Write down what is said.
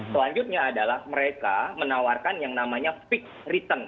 selanjutnya adalah mereka menawarkan yang namanya peak return